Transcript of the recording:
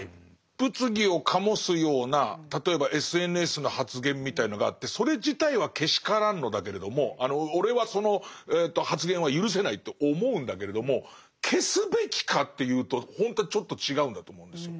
物議を醸すような例えばＳＮＳの発言みたいのがあってそれ自体はけしからんのだけれども「俺はその発言は許せない」と思うんだけれども消すべきかっていうとほんとはちょっと違うんだと思うんですよ。